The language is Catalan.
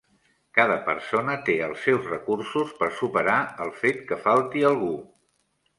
Cada persona té els seus recursos per superar el fet que falti algú.